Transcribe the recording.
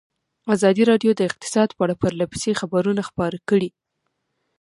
ازادي راډیو د اقتصاد په اړه پرله پسې خبرونه خپاره کړي.